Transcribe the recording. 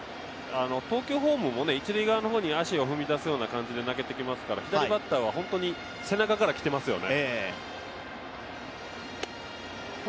投球フォームも一塁側の方に足を投げ出すような感じで投げていますから左バッターは本当に背中から来てますよね。